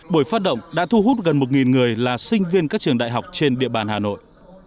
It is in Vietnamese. buổi phát động đã thu hút gần một người là sinh viên các trường đại học trên địa bàn hà nội